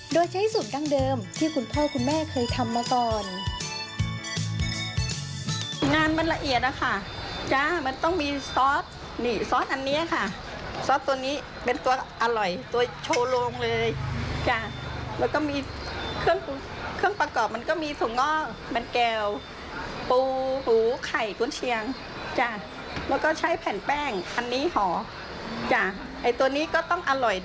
โดยใช้สูตรดั้งเดิมที่คุณพ่อคุณแม่เคยทำมาก่อน